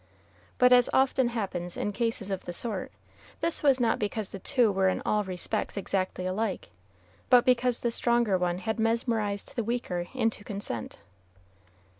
But as often happens in cases of the sort, this was not because the two were in all respects exactly alike, but because the stronger one had mesmerized the weaker into consent.